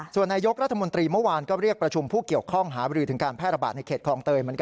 ส่วนนายกรัฐมนตรีเมื่อวานก็เรียกประชุมผู้เกี่ยวข้องหาบรือถึงการแพร่ระบาดในเขตคลองเตยเหมือนกัน